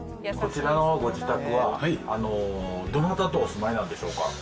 こちらのご自宅は、どなたとお住まいなんでしょうか？